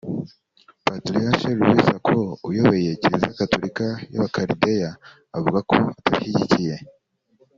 Patriarche Louis Sako uyoboye Kiliziya Gatolika y’Abakarideya avuga ko atabishyigikiye